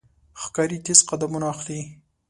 ښکاري تیز قدمونه اخلي.